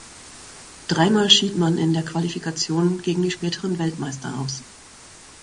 Dreimal schied man in der Qualifikation gegen die späteren Weltmeister aus.